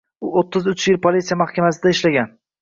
U o'ttiz uch yil politsiya mahkamasida ishlagan.